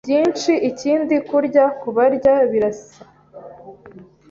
Byinshi ikindi Kurya Kubarya birasa